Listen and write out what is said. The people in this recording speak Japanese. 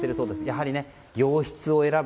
やはり、洋室を選ぶ。